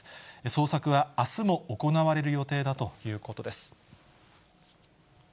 捜索はあすも行われる予定だということです。